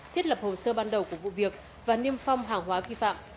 thiết lập hồ sơ ban đầu của vụ việc và niêm phong hàng hóa vi phạm